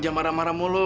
jangan marah marah mulu